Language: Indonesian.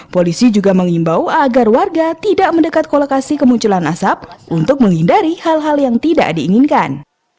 polisi juga mengimbau agar warga tidak mendekat ke lokasi kemunculan asap untuk menghindari hal hal yang tidak diinginkan